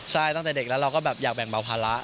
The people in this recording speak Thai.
ใช่ตั้งแต่เด็กแล้วเราก็แบบอยากแบ่งเบาภาระ